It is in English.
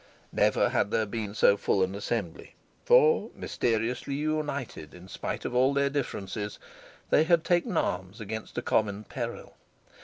Never had there been so full an assembly, for, mysteriously united in spite of all their differences, they had taken arms against a common peril.